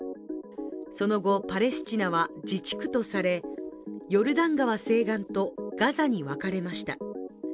その後、パレスチナは自治区とされ、ヨルダン川西岸とガザに分かれました。